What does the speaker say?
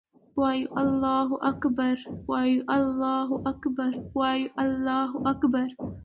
وایو الله اکــبر، وایو الله اکـــبر، وایـــــو الله اکــــــــبر